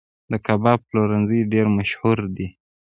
د کباب پلورنځي ډیر مشهور دي